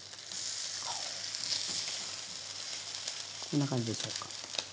こんな感じでしょうか。